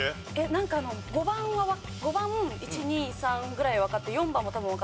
なんか５番は５番１２３ぐらいわかって４番も多分わかって。